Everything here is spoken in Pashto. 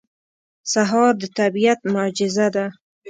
سهار د طبیعت معجزه ده.